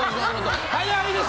早いです！